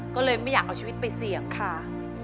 ก็เลยไม่อยากเอาชีวิตไปเสี่ยงค่ะ